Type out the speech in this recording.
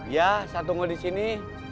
ya saya tunggu di sini